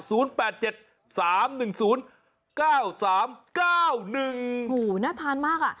โอ้โหน่าทานมากอ่ะ